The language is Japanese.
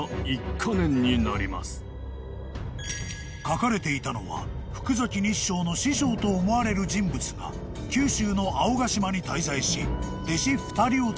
［書かれていたのは福崎日精の師匠と思われる人物が九州の青ヶ島に滞在し弟子２人を連れていたこと］